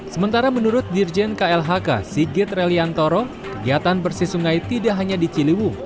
sementara menurut dirjen klhk sigit reliantoro kegiatan bersih sungai tidak hanya di ciliwung